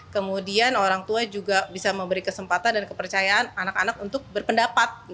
kemudian orang tua juga bisa memberi kesempatan dan kepercayaan anak anak untuk berpendapat